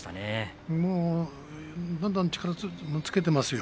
もうどんどん力をつけていますよ。